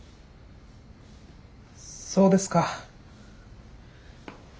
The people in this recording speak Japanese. そうですか。